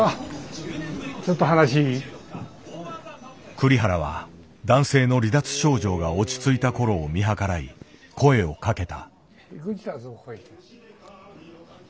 栗原は男性の離脱症状が落ち着いた頃を見計らい声をかけた。